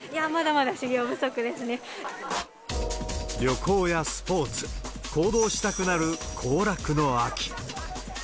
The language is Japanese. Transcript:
いや、旅行やスポーツ、行動したくなる行楽の秋。